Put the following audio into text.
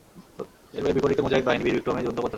এর বিপরীতে মুজাহিদ বাহিনী বীর-বিক্রমে যুদ্ধ করতে থাকে।